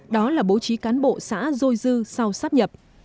đó là bố trí cán bộ xã rôi dư sau sáp nhập